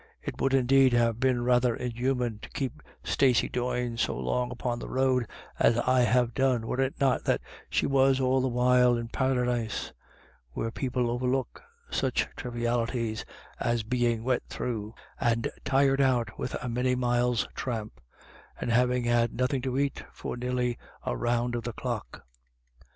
It would, indeed, have been rather inhuman to keep Stacey Doyne so long upon the road as I # have done, were it not that she was all the while in Paradise, where people overlook such trivialities as being wet through and tired out with a many miles' tramp, and having had nothing to eat for nearly a round of the clock.